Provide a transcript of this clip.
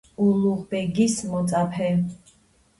ულუღ ბეგის მოწაფე.